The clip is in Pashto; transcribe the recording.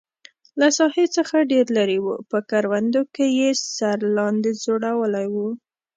له ساحې څخه ډېر لرې و، په کروندو کې یې سر لاندې ځړولی و.